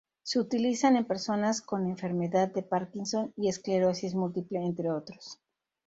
Se utilizan en personas con Enfermedad de Parkinson y esclerosis múltiple, entre otros.